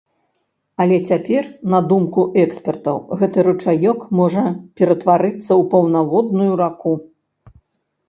Але цяпер, на думку экспертаў, гэты ручаёк можа ператварыцца ў паўнаводную раку.